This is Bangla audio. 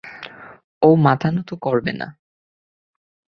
ও মাথা নত করবে না!